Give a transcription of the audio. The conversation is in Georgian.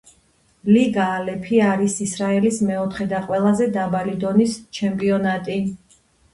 ლიგა ალეფი არის ისრაელის მეოთხე და ყველაზე დაბალი დონის ჩემპიონატი.